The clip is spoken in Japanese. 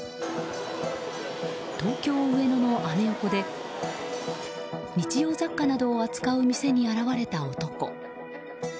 東京・上野のアメ横で日用雑貨などを扱う店に現れた男。